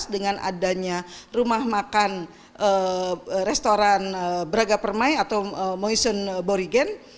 dengan adanya rumah makan restoran braga permai atau motion borigen